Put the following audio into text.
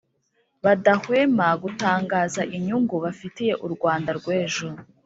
badahwema gutangaza inyungu bafitiye u Rwanda rw'ejo